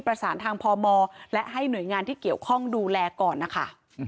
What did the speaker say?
ประสานทางพมและให้หน่วยงานที่เกี่ยวข้องดูแลก่อนนะคะ